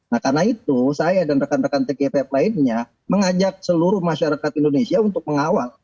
nah karena itu saya dan rekan rekan tgpf lainnya mengajak seluruh masyarakat indonesia untuk mengawal